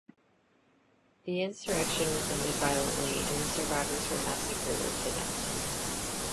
The insurrection was ended violently, and the survivors were massacred or kidnapped.